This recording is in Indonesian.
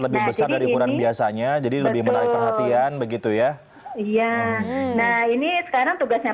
lebih besar dari ukuran biasanya jadi lebih menarik perhatian begitu ya iya nah ini sekarang tugasnya